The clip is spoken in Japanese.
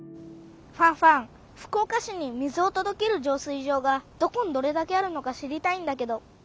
ファンファン福岡市に水をとどける浄水場がどこにどれだけあるのか知りたいんだけど。